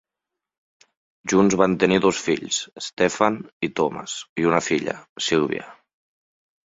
Junts van tenir dos fills, Stephan i Thomas, i una filla, Sylvia.